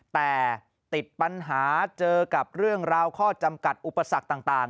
แต่ติดปัญหาเจอกับเรื่องราวข้อจำกัดอุปสรรคต่าง